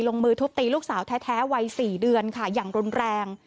ลงมือทุบตีลูกสาวแท้วัย๔เดือนค่ะอย่างรุนแรง